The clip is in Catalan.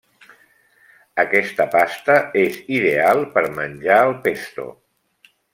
Aquesta pasta és ideal per menjar al pesto.